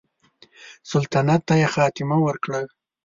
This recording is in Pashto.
سلطنت ته یې خاتمه ورکړه.